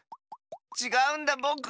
ちがうんだぼく。